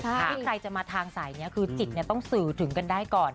ที่ใครจะมาทางสายนี้คือจิตต้องสื่อถึงกันได้ก่อน